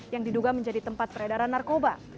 yang diduga menjadi tempat peredaran narkoba